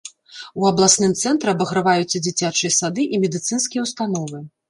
У абласным цэнтры абаграваюцца дзіцячыя сады і медыцынскія ўстановы.